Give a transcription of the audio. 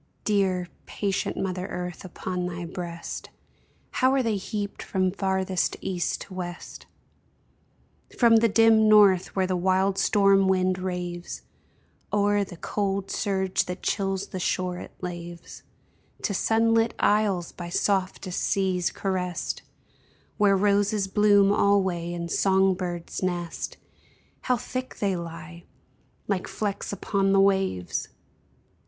Dear, patient mother Earth, upon thy breast How are they heaped from farthest east to west ! From the dim north, where the wild storm wind raves O'er the cold surge that chills the shore it laves, To sunlit isles by softest seas caressed, Where roses bloom alway and song birds nest, How thick they lie — like flecks upon the waves